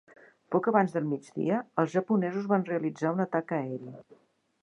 Poc abans del migdia, els japonesos van realitzar un atac aeri.